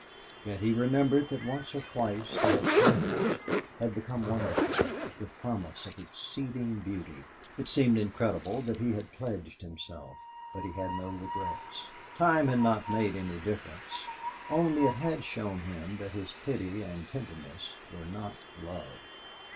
Yet he remembered that once or twice they had changed, had become wonderful, with promise of exceeding beauty. It seemed incredible that he had pledged himself. But he had no regrets. Time had not made any difference, only it had shown him that his pity and tenderness were not love.